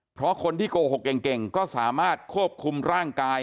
เพราะคนที่โกหกเก่งก็สามารถควบคุมร่างกาย